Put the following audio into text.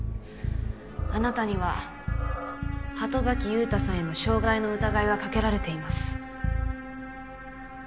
あなたには鳩崎優太さんへの傷害の疑いがかけられています。